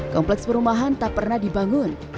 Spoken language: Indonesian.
kompleks perumahan tak pernah dibangun